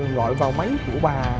gọi vào máy của bà